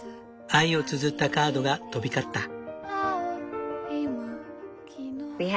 愛をつづったカードが飛び交った。